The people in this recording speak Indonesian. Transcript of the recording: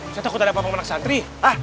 ustaz aku tak ada apa apa menang santri